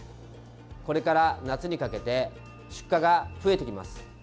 これから夏にかけて出荷が増えてきます。